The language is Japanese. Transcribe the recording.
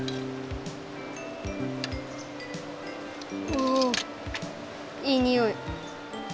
おおいいにおい。